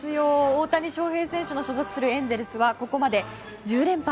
大谷翔平選手の所属するエンゼルスはここまで１０連敗。